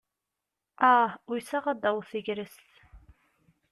Ah! Uysaɣ ad taweḍ tegrest.